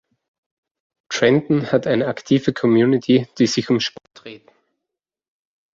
Trenton hat eine aktive Community, die sich um Sport dreht.